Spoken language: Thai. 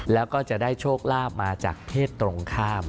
แล้วก็จะได้โชคลาภมาจากเพศตรงข้าม